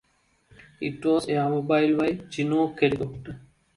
It was airmobile via Chinook helicopter.